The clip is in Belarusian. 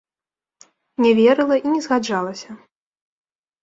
Не верыла і не згаджалася!